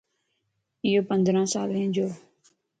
ايو پندران سالين جوَ